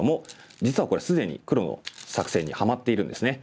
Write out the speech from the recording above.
実はこれ既に黒の作戦にハマっているんですね。